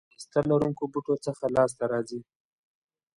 بوره د نیشاسته لرونکو بوټو څخه لاسته راځي.